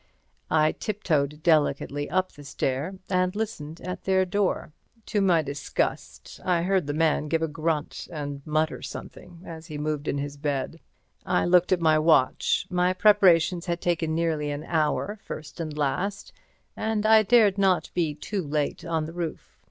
I tiptoed delicately up the stair and listened at their door. To my disgust I heard the man give a grunt and mutter something as he moved in his bed. I looked at my watch. My preparations had taken nearly an hour, first and last, and I dared not be too late on the roof.